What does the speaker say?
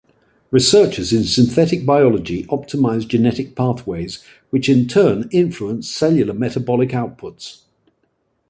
Researchers in synthetic biology optimize genetic pathways, which in turn influence cellular metabolic outputs.